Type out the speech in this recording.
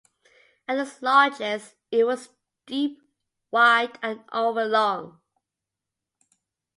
At its largest, it was deep, wide and over long.